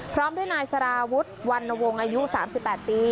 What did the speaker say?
พร้อมด้วยนายสาราวุฒิวัณวงอายุสามสิบแปดปี